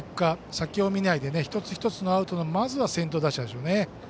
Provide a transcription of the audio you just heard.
先を見ないで、一つ一つのアウトまずは先頭打者でしょうね。